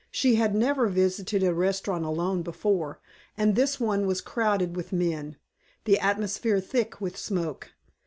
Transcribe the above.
She had never visited a restaurant alone before. And this one was crowded with men, the atmosphere thick with smoke.